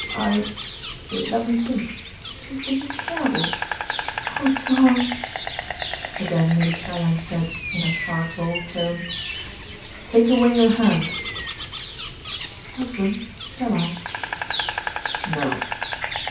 "I? let me think. This is terrible. Oh, John!" Again Lady Caroline said, in her sharp, bold tone, "Take away your hand." "Husband, shall I?" "No."